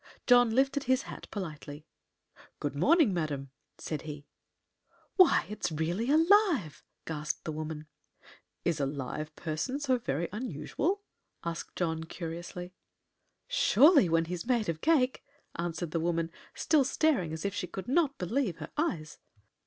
John lifted his hat politely. "Good morning, madam," said he. "Why, it's really alive!" gasped the woman. "Is a live person so very unusual?" asked John, curiously. "Surely, when he's made of cake!" answered the woman, still staring as if she could not believe her eyes.